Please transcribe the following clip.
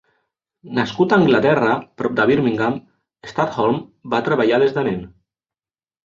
Nascut a Anglaterra, prop de Birmingham, Studholme va treballar des de nen.